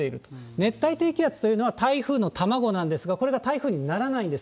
熱帯低気圧というのは台風の卵なんですが、これが台風にならないんです。